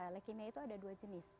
leukemia itu ada dua jenis